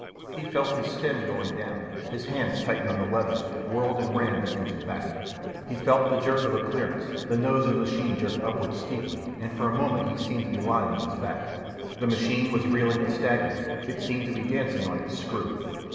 He felt his stem going down, his hands tightened on the levers, whirled and rammed the engine back. He felt the jerk of a clearance, the nose of the machine jerked upward steeply, and for a moment he seemed to be lying on his back. The machine was reeling and staggering, it seemed to be dancing on its screw.